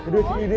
đi đi đi